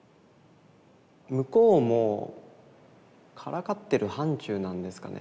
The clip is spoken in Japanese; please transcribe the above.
向こうもからかってる範ちゅうなんですかね。